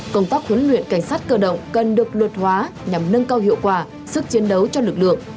công tác huấn luyện cảnh sát cơ động cần được luật hóa nhằm nâng cao hiệu quả sức chiến đấu cho lực lượng